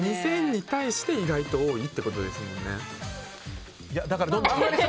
２０００に対して意外と多いってことですもんね。